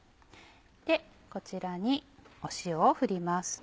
こちらに塩を振ります。